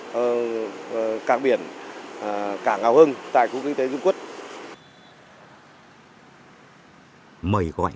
của các dự án của các doanh nghiệp để phát triển